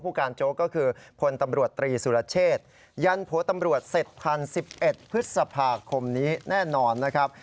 การโจ๊กก็คือพลตำรวจตรีสุรเชษยันผัวตำรวจเสร็จทัน๑๑พฤษภาคมนี้แน่นอนนะครับ